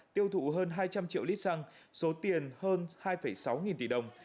tiêu thụ hơn hai trăm linh triệu lít xăng số tiền hơn hai sáu nghìn tỷ đồng